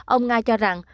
ông nga cho rằng